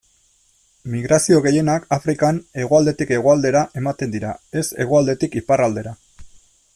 Migrazio gehienak Afrikan hegoaldetik hegoaldera ematen dira, ez hegoaldetik iparraldera.